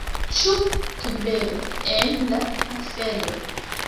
Ĉu tubero en la afero?